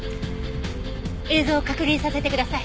映像を確認させてください。